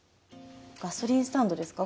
ガソリンスタンドですか？